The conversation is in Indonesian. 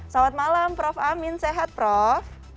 selamat malam prof amin sehat prof